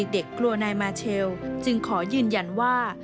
กลัวนายมาเชลจึงขอยืนยันว่า